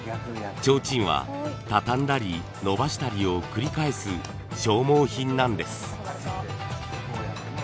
ちょうちんはたたんだり伸ばしたりを繰り返す消耗品なんです。